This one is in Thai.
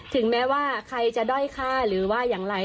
ถึงแม้ว่าใครจะด้อยฆ่าหรือว่าอย่างไร